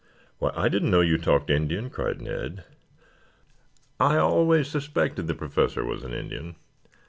"Why, I didn't know you talked Indian," cried Ned. "I always suspected the Professor was an Indian.